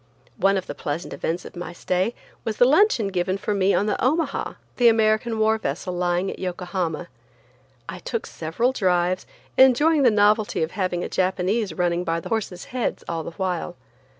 One of the pleasant events of my stay was the luncheon given for me on the Omaha, the American war vessel lying at Yokohama. I took several drives, enjoying the novelty of having a Japanese running by the horses' heads all the while.